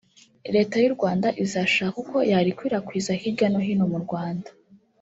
leta y’u Rwanda izashaka uko yarikwirakwiza hirya no hino mu Rwanda